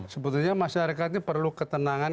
sebetulnya masyarakat ini perlu ketenangan